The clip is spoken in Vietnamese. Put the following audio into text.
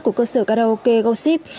của cơ sở karaoke gossip